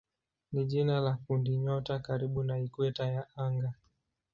ni jina la kundinyota karibu na ikweta ya anga.